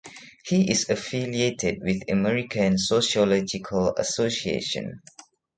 He is affiliated with American Sociological Association.